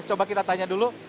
coba kita tanya dulu